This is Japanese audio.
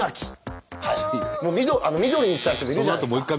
緑にしたい人もいるじゃないですか。